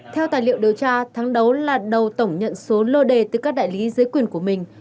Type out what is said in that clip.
theo tài liệu điều tra tháng đấu là đầu tổng nhận số lô đề từ các đại lý dưới quyền của mình